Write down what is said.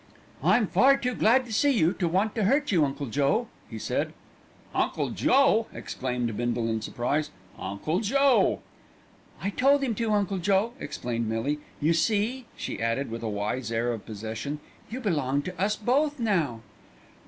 "I'm far too glad to see you to want to hurt you, Uncle Joe," he said. "Uncle Joe!" exclaimed Bindle in surprise, "Uncle Joe!" "I told him to, Uncle Joe," explained Millie. "You see," she added with a wise air of possession, "you belong to us both now."